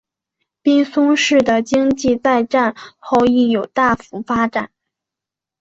滨松市的经济在战后亦有大幅发展。